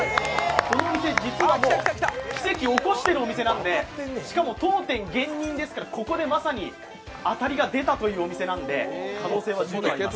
このお店、実はもう奇跡起こしてるお店なんでしかも当店現認ですからここでまさに当たりが出たというお店なので可能性は十分あります。